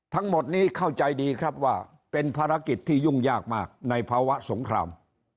ทั้งหมดนี้เข้าใจดีครับว่าเป็นภารกิจที่ยุ่งยากมากในภาวะสงคราม